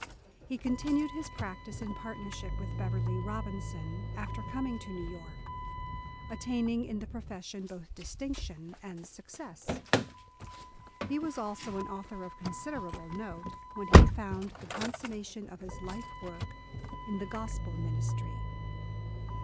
He continued his practice in partnership with Beverley Robinson after coming to New York, attaining in the profession both distinction and success. He was also an author of considerable note, when he found the consummation of his life work in the Gospel ministry.